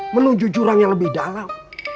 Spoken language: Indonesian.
menuju jurang yang lebih dalam